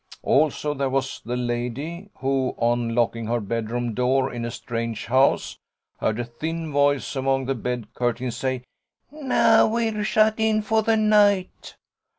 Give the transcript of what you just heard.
Also there was the lady who, on locking her bedroom door in a strange house, heard a thin voice among the bed curtains say, "Now we're shut in for the night."